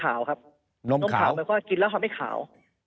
แล้วก็มีนมขาวครับกินแล้วทำให้ขาว